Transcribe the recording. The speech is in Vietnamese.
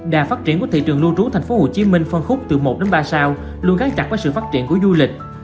đà phát triển của thị trường lưu trú thành phố hồ chí minh phân khúc từ một ba sao luôn gắn chặt với sự phát triển của du lịch